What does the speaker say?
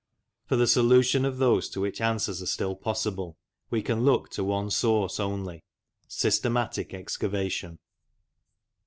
For the solution of those to which answers are still possible, we can look to one source only systematic excavation.